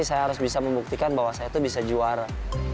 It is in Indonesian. saya harus bisa membuktikan bahwa saya tuh bisa juara